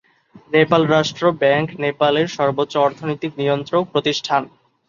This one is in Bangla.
নেপাল রাষ্ট্র ব্যাংক নেপালের সর্বোচ্চ অর্থনৈতিক নিয়ন্ত্রক প্রতিষ্ঠান।